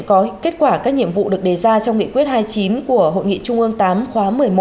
có kết quả các nhiệm vụ được đề ra trong nghị quyết hai mươi chín của hội nghị trung ương viii khóa một mươi một